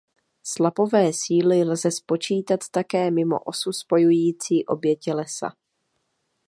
Slapové síly lze spočítat také mimo osu spojující obě tělesa.